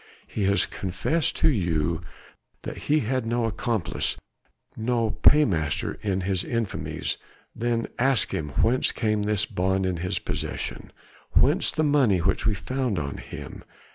He has confessed to you that he had no accomplice, no paymaster in his infamies, then ask him whence came this bond in his possession, whence the money which we found upon him.